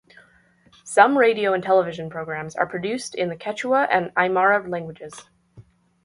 Some radio and television programs are produced in the Quechua and Aymara languages.